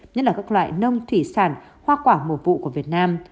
nhất là các loại nông thủy sản hoa quả mùa vụ của việt nam